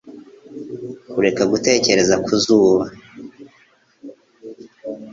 Kureka gutekereza ku zuba